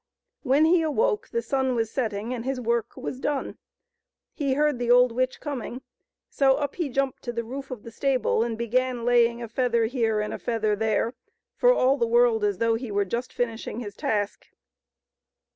When he awoke the sun was setting, and his work was done. He heard the old witch coming, so up he jumped to the roof of the stable and began laying a feather here and a feather there, for all the world as though he were just finishing his task.